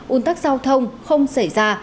ún tắc giao thông không xảy ra